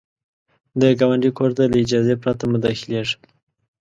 د ګاونډي کور ته له اجازې پرته مه داخلیږه